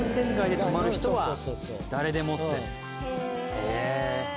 へえ！